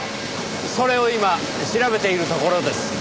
それを今調べているところです。